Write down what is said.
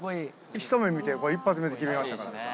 ひと目見てこれ１発目で決めましたから。